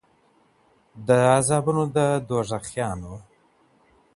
د عذابونو د دوږخیانو